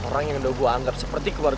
jangan semua orang habis berhenti ke warga